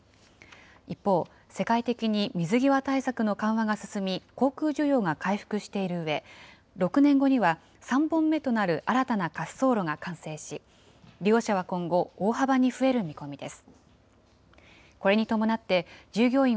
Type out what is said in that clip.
一方、世界的に水際対策の緩和が進み、航空需要が回復しているうえ、６年後には３本目となる新たな滑走路が完成し、利用者は今後、大幅に増える見込みです。